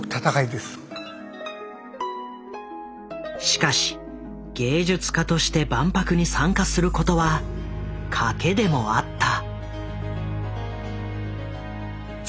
しかし芸術家として万博に参加することは賭けでもあった。